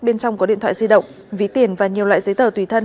bên trong có điện thoại di động ví tiền và nhiều loại giấy tờ tùy thân